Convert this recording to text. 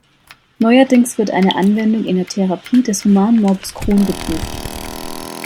Neuerdings wird eine Anwendung in der Therapie des humanen Morbus Crohn geprüft.